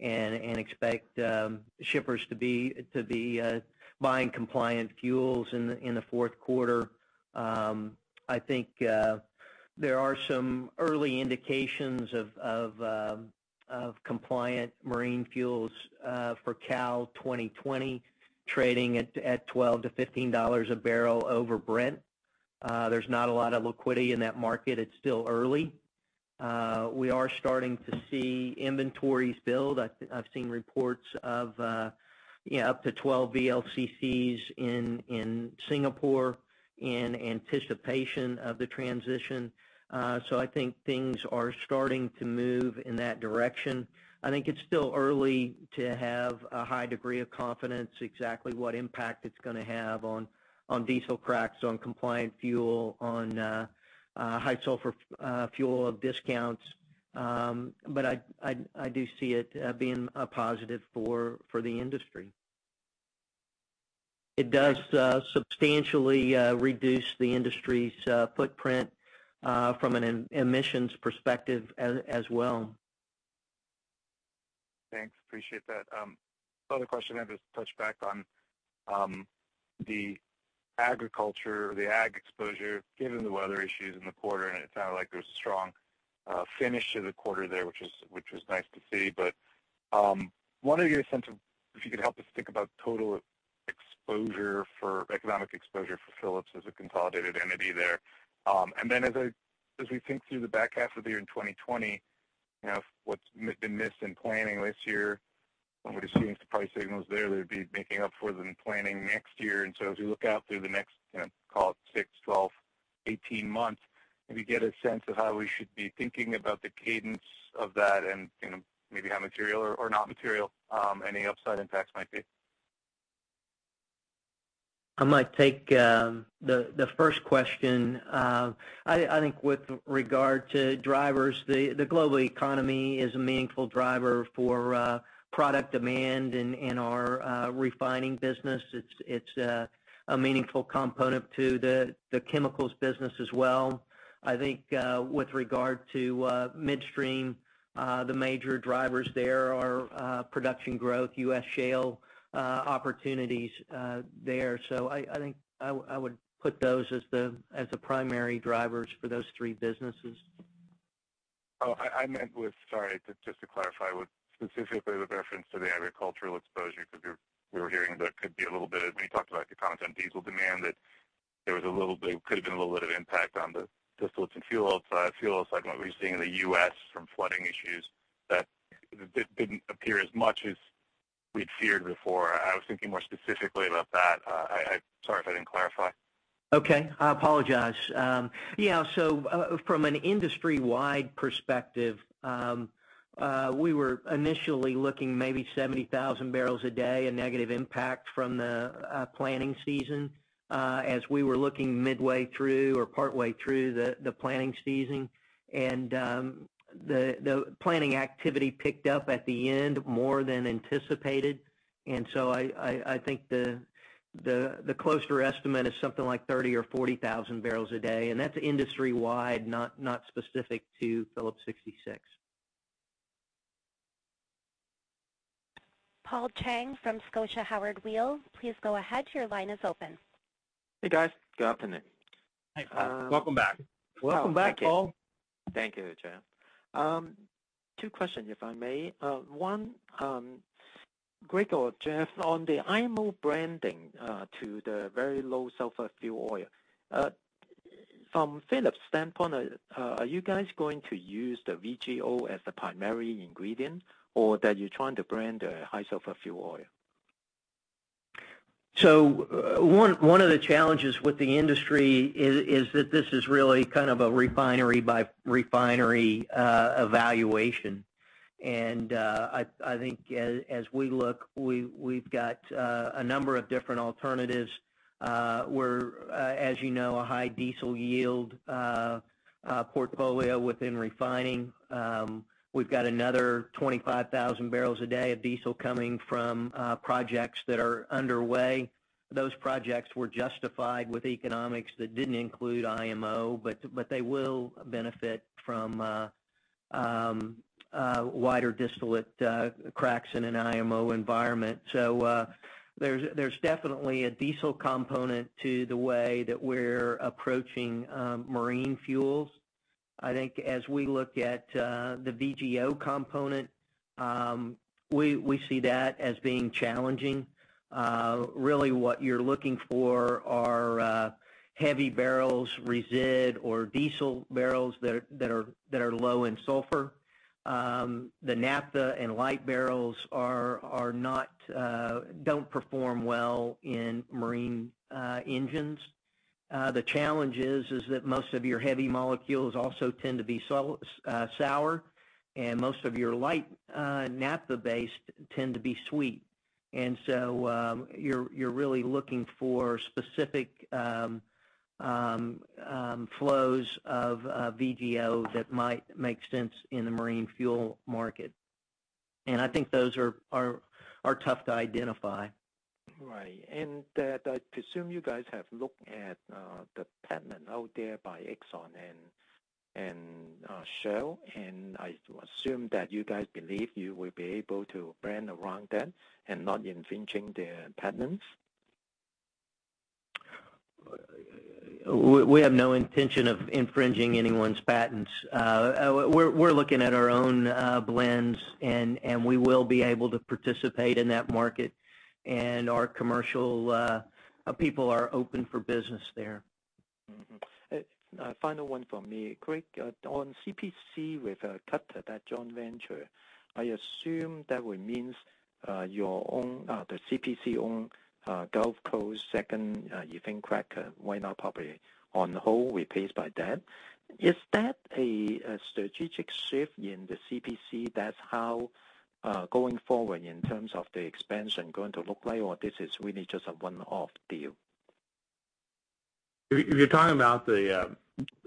and expect shippers to be buying compliant fuels in the fourth quarter. I think there are some early indications of compliant marine fuels for CAL 2020 trading at $12-$15 a barrel over Brent. There's not a lot of liquidity in that market. It's still early. We are starting to see inventories build. I've seen reports of up to 12 VLCCs in Singapore in anticipation of the transition. I think things are starting to move in that direction. I think it's still early to have a high degree of confidence exactly what impact it's going to have on diesel cracks, on compliant fuel, on high sulfur fuel discounts. I do see it being a positive for the industry. It does substantially reduce the industry's footprint from an emissions perspective as well. Thanks. Appreciate that. Other question, I'll just touch back on the agriculture or the ag exposure, given the weather issues in the quarter, and it sounded like there was a strong finish to the quarter there, which was nice to see. Wondering your sense of if you could help us think about total economic exposure for Phillips as a consolidated entity there. As we think through the back half of the year in 2020. What's been missed in planning this year. We're seeing some price signals there that'd be making up for the planning next year. As we look out through the next, call it six, 12, 18 months, maybe get a sense of how we should be thinking about the cadence of that and maybe how material or not material any upside impacts might be. I might take the first question. I think with regard to drivers, the global economy is a meaningful driver for product demand in our Refining business. It's a meaningful component to the chemicals business as well. I think with regard to Midstream, the major drivers there are production growth, U.S. shale opportunities there. I think I would put those as the primary drivers for those three businesses. Oh, I meant with, sorry, just to clarify, with specifically with reference to the agricultural exposure, because we were hearing there could be a little bit, when you talked about the continent diesel demand, that there could've been a little bit of impact on the distillates and fuels, like what we were seeing in the U.S. from flooding issues that didn't appear as much as we'd feared before. I was thinking more specifically about that. Sorry if I didn't clarify. Okay. I apologize. Yeah, so from an industry-wide perspective, we were initially looking maybe 70,000 bbl a day of negative impact from the planning season as we were looking midway through or partway through the planning season. The planning activity picked up at the end more than anticipated, and so I think the closer estimate is something like 30,000 bbl or 40,000 bbl a day, and that's industry-wide, not specific to Phillips 66. Paul Cheng from Scotia Howard Weil, please go ahead. Your line is open. Hey, guys. Good afternoon. Hi, Paul. Welcome back. Welcome back, Paul. Thank you. Thank you, Jeff. Two questions, if I may. One, Greg or Jeff, on the IMO branding to the very low sulfur fuel oil. From Phillips' standpoint, are you guys going to use the VGO as the primary ingredient, or that you're trying to brand a high sulfur fuel oil? One of the challenges with the industry is that this is really kind of a refinery by refinery evaluation. I think as we look, we've got a number of different alternatives, where as you know, a high diesel yield portfolio within refining. We've got another 25,000 bbl a day of diesel coming from projects that are underway. Those projects were justified with economics that didn't include IMO, but they will benefit from wider distillate cracks in an IMO environment. There's definitely a diesel component to the way that we're approaching marine fuels. I think as we look at the VGO component, we see that as being challenging. Really what you're looking for are heavy barrels resid or diesel barrels that are low in sulfur. The naphtha and light barrels don't perform well in marine engines. The challenge is that most of your heavy molecules also tend to be sour, and most of your light naphtha-based tend to be sweet. You're really looking for specific flows of VGO that might make sense in the marine fuel market. I think those are tough to identify. Right. I presume you guys have looked at the patent out there by Exxon and Shell, and I assume that you guys believe you will be able to brand around that and not infringing their patents? We have no intention of infringing anyone's patents. We're looking at our own blends, and we will be able to participate in that market, and our commercial people are open for business there. A final one from me. Greg, on CPC with Qatar, that joint venture, I assume that would mean the CPC own Gulf Coast second ethane cracker, why not probably on the whole replaced by that. Is that a strategic shift in the CPC? That's how going forward in terms of the expansion going to look like or this is really just a one-off deal? If you're talking about the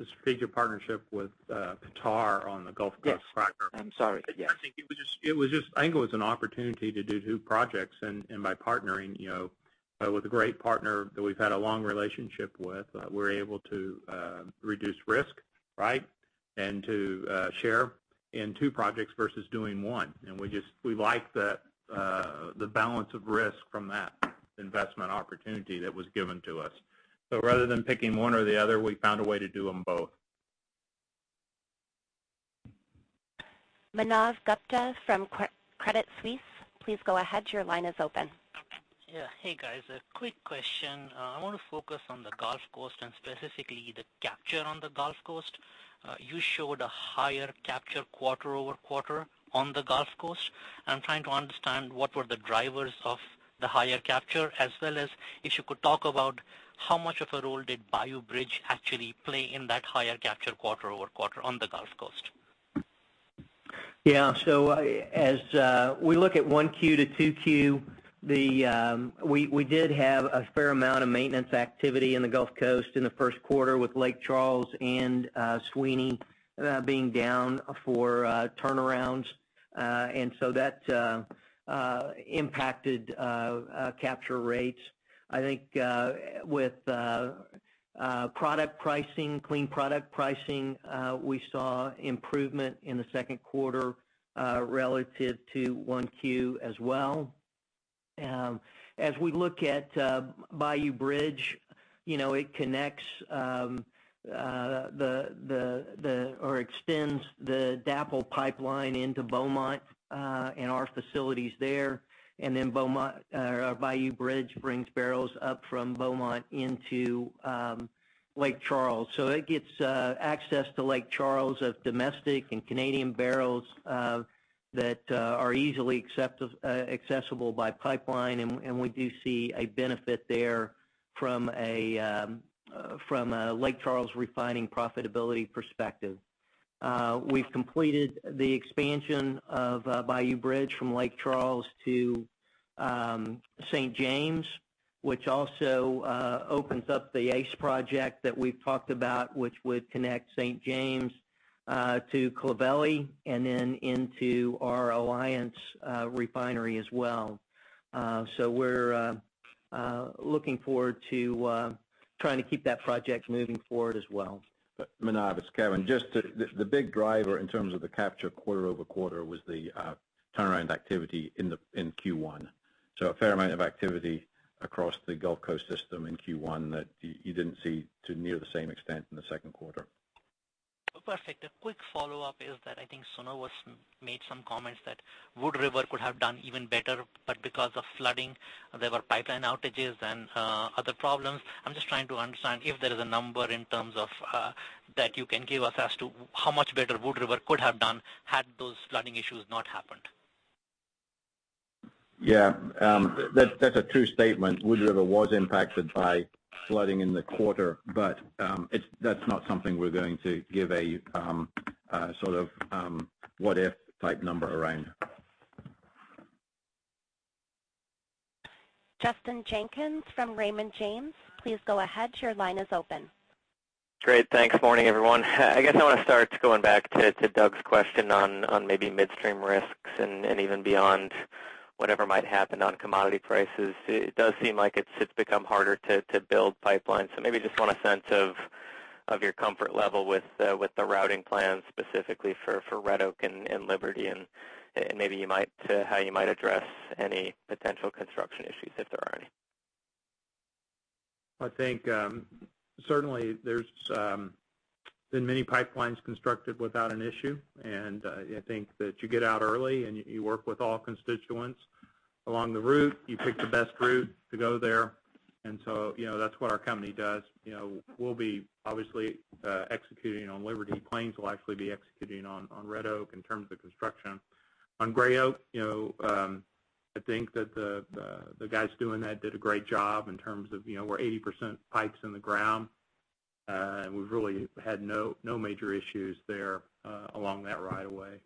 strategic partnership with Qatar on the Gulf Coast cracker- Yes. I'm sorry. Yes. I think it was an opportunity to do two projects. By partnering with a great partner that we've had a long relationship with, we're able to reduce risk, right? To share in two projects versus doing one. We like the balance of risk from that investment opportunity that was given to us. Rather than picking one or the other, we found a way to do them both. Manav Gupta from Credit Suisse. Please go ahead. Your line is open. Yeah. Hey, guys. A quick question. I want to focus on the Gulf Coast, and specifically the capture on the Gulf Coast. You showed a higher capture quarter-over-quarter on the Gulf Coast. I'm trying to understand what were the drivers of the higher capture, as well as if you could talk about how much of a role did Bayou Bridge actually play in that higher capture quarter-over-quarter on the Gulf Coast? As we look at 1Q to 2Q, we did have a fair amount of maintenance activity in the Gulf Coast in the 1Q with Lake Charles and Sweeney being down for turnarounds. That impacted capture rates. I think with product pricing, clean product pricing, we saw improvement in the second quarter relative to 1Q as well. As we look at Bayou Bridge, it connects or extends the DAPL pipeline into Beaumont, and our facility's there. Bayou Bridge brings barrels up from Beaumont into Lake Charles. It gets access to Lake Charles of domestic and Canadian barrels that are easily accessible by pipeline, and we do see a benefit there from a Lake Charles refining profitability perspective. We've completed the expansion of Bayou Bridge from Lake Charles to St. James, which also opens up the ACE project that we've talked about, which would connect St. James to Clovelly, and then into our Alliance refinery as well. We're looking forward to trying to keep that project moving forward as well. Manav, it's Kevin. The big driver in terms of the capture quarter-over-quarter was the turnaround activity in Q1. A fair amount of activity across the Gulf Coast system in Q1 that you didn't see to near the same extent in the second quarter. Perfect. A quick follow-up is that I think Suncor made some comments that Wood River could have done even better, but because of flooding, there were pipeline outages and other problems. I'm just trying to understand if there is a number in terms of that you can give us as to how much better Wood River could have done had those flooding issues not happened. Yeah. That's a true statement. Wood River was impacted by flooding in the quarter, but that's not something we're going to give a sort of what if type number around. Justin Jenkins from Raymond James, please go ahead. Your line is open. Great. Thanks. Morning, everyone. I guess I want to start going back to Doug's question on maybe midstream risks, and even beyond whatever might happen on commodity prices. It does seem like it's become harder to build pipelines. Maybe just want a sense of your comfort level with the routing plans specifically for Red Oak and Liberty, and maybe how you might address any potential construction issues if there are any. I think certainly there's been many pipelines constructed without an issue. I think that you get out early, and you work with all constituents along the route. You pick the best route to go there. That's what our company does. We'll be obviously executing on Liberty Pipeline. We'll actually be executing on Red Oak in terms of construction. On Gray Oak, I think that the guys doing that did a great job in terms of we're 80% pipes in the ground. We've really had no major issues there along that right of way.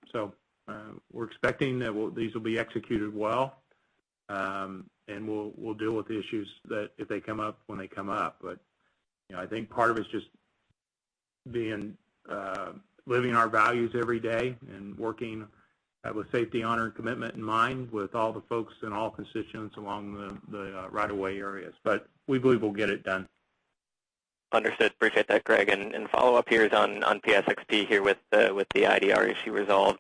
We're expecting that these will be executed well. We'll deal with the issues, if they come up, when they come up. I think part of it's just living our values every day and working with safety, honor, and commitment in mind with all the folks and all constituents along the right of way areas. We believe we'll get it done. Understood. Appreciate that, Greg. Follow-up here is on PSXP here with the IDR issue resolved.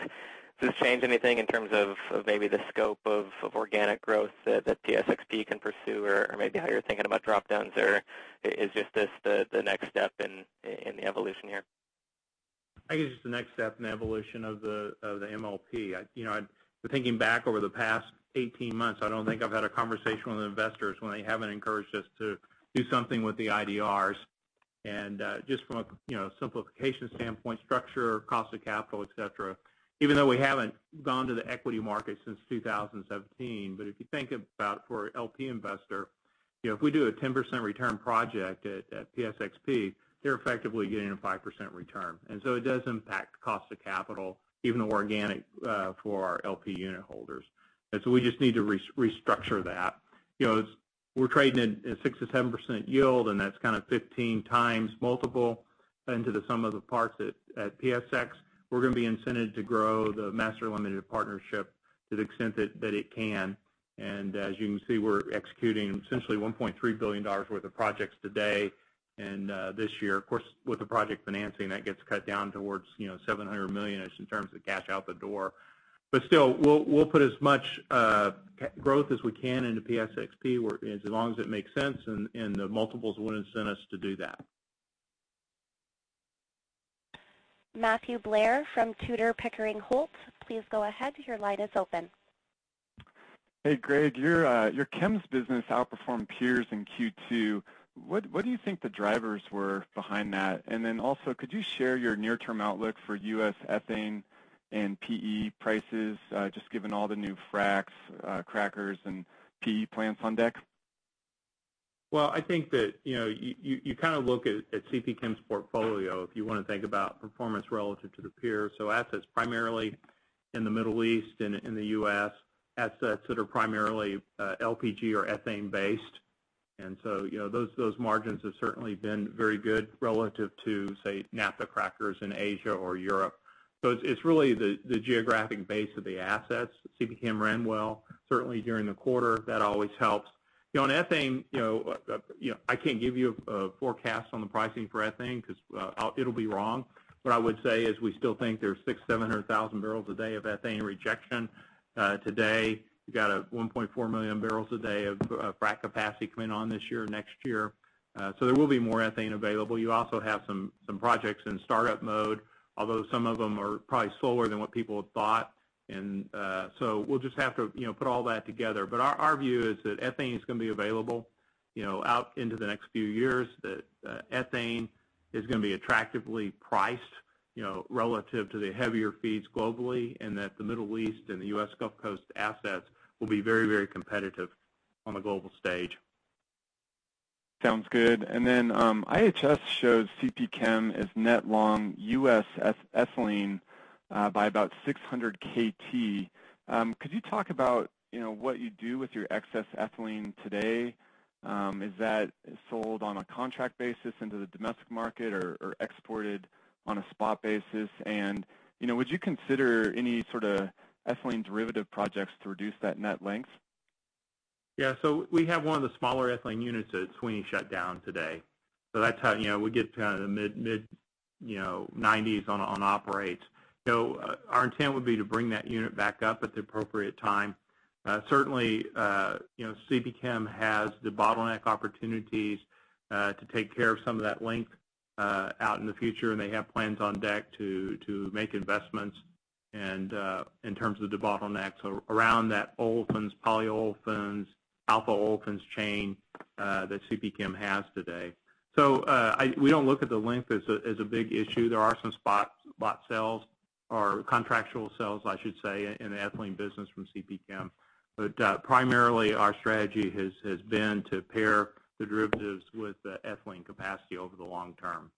Does this change anything in terms of maybe the scope of organic growth that PSXP can pursue, or maybe how you're thinking about drop-downs? Is this just the next step in the evolution here? I think it's just the next step in the evolution of the MLP. Thinking back over the past 18 months, I don't think I've had a conversation with investors when they haven't encouraged us to do something with the IDRs. Just from a simplification standpoint, structure, cost of capital, et cetera, even though we haven't gone to the equity market since 2017, if you think about for an LP investor, if we do a 10% return project at PSXP, they're effectively getting a 5% return. It does impact cost of capital, even organic for our LP unit holders. We just need to restructure that. We're trading at a 6%-7% yield, and that's kind of 15x multiple into the sum of the parts at PSX. We're going to be incented to grow the master limited partnership to the extent that it can. As you can see, we're executing essentially $1.3 billion worth of projects today, and this year. Of course, with the project financing, that gets cut down towards $700 million-ish in terms of cash out the door. Still, we'll put as much growth as we can into PSXP as long as it makes sense, and the multiples would incent us to do that. Matthew Blair from Tudor, Pickering Holt, please go ahead. Your line is open. Hey, Greg. Your chems business outperformed peers in Q2. What do you think the drivers were behind that? Also, could you share your near-term outlook for U.S. ethane and PE prices, just given all the new fracs, crackers, and PE plans on deck? Well, I think that you kind of look at CPChem's portfolio if you want to think about performance relative to the peers. Assets primarily in the Middle East and in the U.S., assets that are primarily LPG or ethane-based. Those margins have certainly been very good relative to, say, naphtha crackers in Asia or Europe. CPChem ran well, certainly during the quarter. That always helps. On ethane, I can't give you a forecast on the pricing for ethane because it'll be wrong. What I would say is we still think there's 600,000, 700,000 bbl a day of ethane rejection today. We've got a 1.4 million barrels a day of frac capacity coming on this year, next year. There will be more ethane available. You also have some projects in startup mode, although some of them are probably slower than what people thought. We'll just have to put all that together. Our view is that ethane is going to be available out into the next few years, that ethane is going to be attractively priced relative to the heavier feeds globally, and that the Middle East and the U.S. Gulf Coast assets will be very competitive on the global stage. Sounds good. IHS shows CPChem as net long U.S. ethylene by about 600 KT. Could you talk about what you do with your excess ethylene today? Is that sold on a contract basis into the domestic market or exported on a spot basis? Would you consider any sort of ethylene derivative projects to reduce that net length? Yeah. We have one of the smaller ethylene units at Sweeney shut down today. We get kind of the mid-90s on operates. Our intent would be to bring that unit back up at the appropriate time. Certainly, CPChem has debottleneck opportunities to take care of some of that length out in the future, and they have plans on deck to make investments and in terms of debottleneck. Around that olefins, polyolefins, alpha olefins chain that CPChem has today. We don't look at the length as a big issue. There are some spot sales or contractual sales, I should say, in the ethylene business from CPChem. Primarily our strategy has been to pair the derivatives with the ethylene capacity over the long term.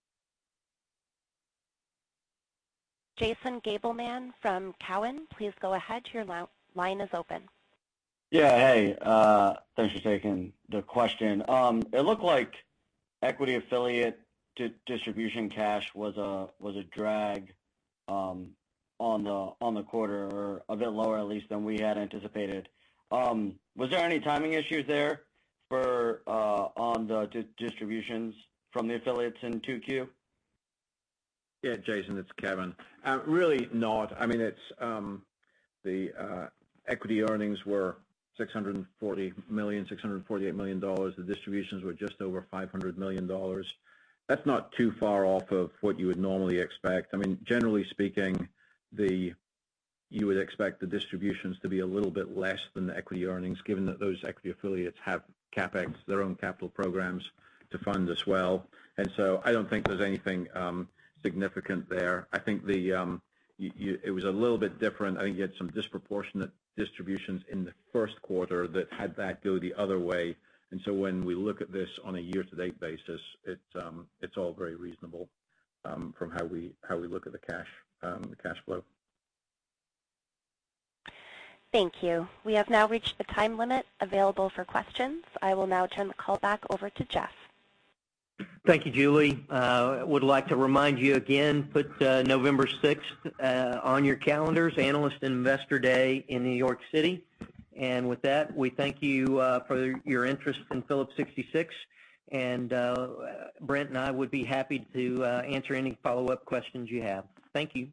Jason Gabelman from Cowen, please go ahead. Your line is open. Yeah. Hey. Thanks for taking the question. It looked like equity affiliate distribution cash was a drag on the quarter or a bit lower at least than we had anticipated. Was there any timing issues there on the distributions from the affiliates in 2Q? Yeah, Jason, it's Kevin. Really not. I mean, the equity earnings were $640 million, $648 million. The distributions were just over $500 million. That's not too far off of what you would normally expect. I mean, generally speaking, you would expect the distributions to be a little bit less than the equity earnings, given that those equity affiliates have CapEx, their own capital programs to fund as well. I don't think there's anything significant there. I think it was a little bit different. I think you had some disproportionate distributions in the first quarter that had that go the other way. When we look at this on a year-to-date basis, it's all very reasonable from how we look at the cash flow. Thank you. We have now reached the time limit available for questions. I will now turn the call back over to Jeff. Thank you, Julie. Would like to remind you again, put November 6th on your calendars, Analyst and Investor Day in New York City. With that, we thank you for your interest in Phillips 66. Brent and I would be happy to answer any follow-up questions you have. Thank you.